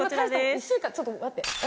１週間ちょっと待って。